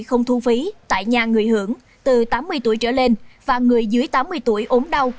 không thu phí tại nhà người hưởng từ tám mươi tuổi trở lên và người dưới tám mươi tuổi ốm đau